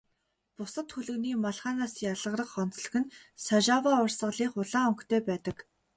Бусад хөлгөний малгайнаас ялгарах онцлог нь Сажава урсгалынх улаан өнгөтэй байдаг.